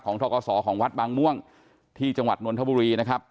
ทกศของวัดบางม่วงที่จังหวัดนนทบุรีนะครับ